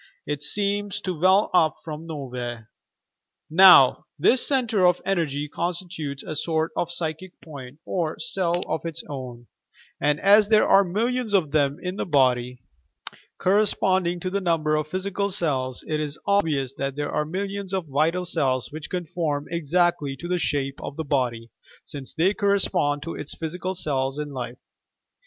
It seems to well up from nowhere. Now, this centre of energy constitutes a sort of psychic point or cell of its own, and as there are millions of them in the body, 230 YOUR PSYCHIC POWERS corresponding to the number of physical cells, it is ob vious that there are millious of vital cells which conform exactly to the shape of the body, since they correspond to its physical cells in life.